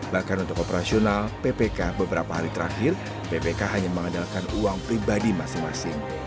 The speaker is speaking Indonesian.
bahkan untuk operasional ppk beberapa hari terakhir ppk hanya mengandalkan uang pribadi masing masing